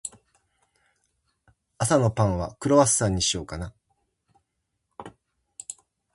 朝のパンは、クロワッサンにしようかな。